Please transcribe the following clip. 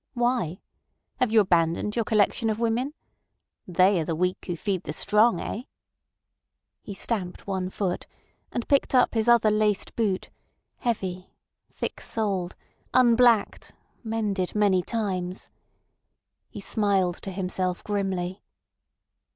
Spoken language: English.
Why? Have you abandoned your collection of women? They are the weak who feed the strong—eh?" He stamped one foot, and picked up his other laced boot, heavy, thick soled, unblacked, mended many times. He smiled to himself grimly.